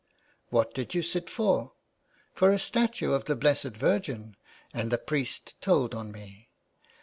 " What did you sit for ?"" For a statue of the Blessed Virgin, and a priest told on me."